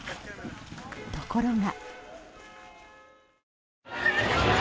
ところが。